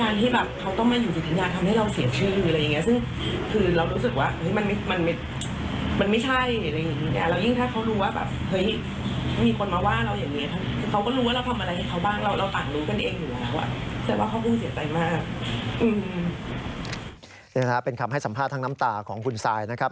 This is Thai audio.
นี่นะครับเป็นคำให้สัมภาษณ์ทั้งน้ำตาของคุณซายนะครับ